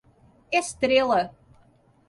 Estrela